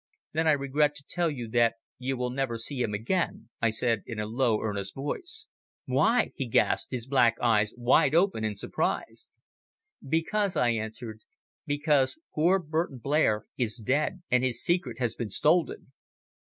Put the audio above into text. "Then I regret to tell you that you will never see him again," I said in a low, earnest voice. "Why?" he gasped, his black eyes wide open in surprise. "Because," I answered, "because poor Burton Blair is dead and his secret has been stolen."